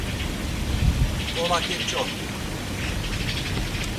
Nǩola keç̌opi.